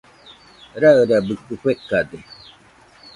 Rairabɨkɨ fekade.